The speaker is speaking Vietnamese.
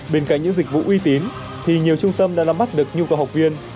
bên cạnh những dịch vụ uy tín thì nhiều trung tâm đã nắm bắt được nhu cầu học viên